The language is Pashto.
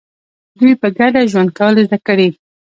دوی په ګډه ژوند کول زده کړي.